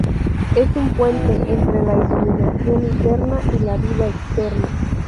Es un puente entre la iluminación interna y la vida externa.